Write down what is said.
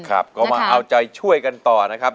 ครับก็มาเอาใจช่วยกันต่อนะครับ